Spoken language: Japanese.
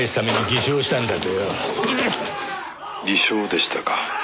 「偽証でしたか」